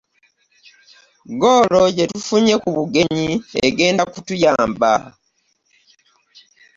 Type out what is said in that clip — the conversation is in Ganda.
Ggoolo gye tufunye ku bugenyi egenda kutuyamba .